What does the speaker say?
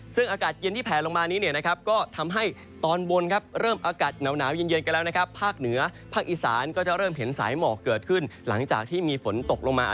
ซึ่งอากาศเย็นที่แผลลงมานี้เนี่ยนะครับก็ทำให้ตอนบนครับเริ่มอากาศหนาวเย็นกันแล้วนะครับภาคเหนือภาคอีสานก็จะเริ่มเห็นสายหมอกเกิดขึ้นหลังจากที่มีฝนตกลงมา